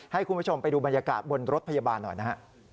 ให้คุณผู้ชมไปดูบรรยากาศบนรถพยาบาลหน่อยนะฮะ